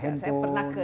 kecanduan terhadap produk